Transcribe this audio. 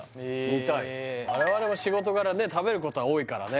見たい我々も仕事柄ね食べることは多いからね